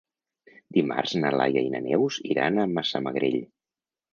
Dimarts na Laia i na Neus iran a Massamagrell.